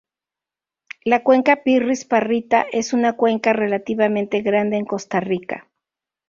La cuenca Pirrís-Parrita es una cuenca relativamente grande en Costa Rica.